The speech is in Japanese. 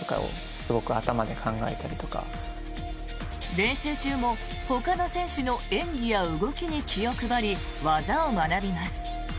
練習中もほかの選手の演技や動きに気を配り技を学びます。